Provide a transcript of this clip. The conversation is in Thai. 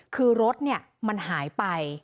คือรถมันหายไป